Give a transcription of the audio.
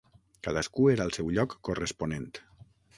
Cadascú era al seu lloc corresponent.